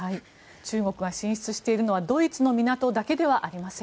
中国が進出しているのはドイツの港だけではありません。